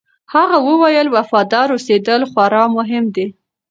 هغه وویل، وفادار اوسېدل خورا مهم دي.